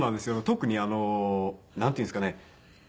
特になんていうんですかね。